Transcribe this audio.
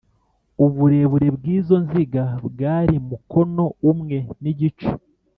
uburebure bw’izo nziga bwari mukono umwe n’igice